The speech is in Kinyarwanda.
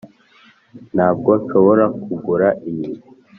ntabwo nshobora kugura iyi.